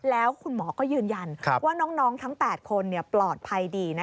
แล้วคุณหมอก็ยืนยันว่าน้องทั้ง๘คนปลอดภัยดี